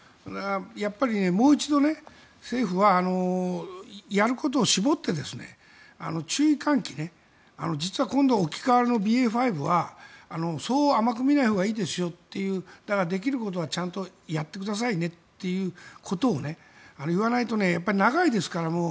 やっぱりもう一度政府はやることを絞って注意喚起、実は今度、置き換わりのＢＡ．５はそう甘く見ないほうがいいですよというできることはちゃんとやってくださいねということを言わないと長いですから。